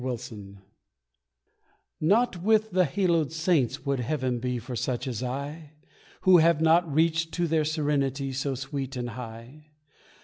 HEAVEN Not with the haloed saints would Heaven be For such as I; Who have not reached to their serenity So sweet and high.